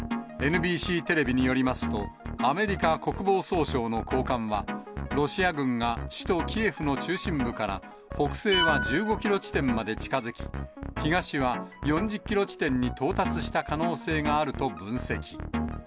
ＮＢＣテレビによりますと、アメリカ国防総省の高官は、ロシア軍が首都キエフの中心部から、北西は１５キロ時点まで近づき、東は４０キロ地点に到達した可能性があると分析。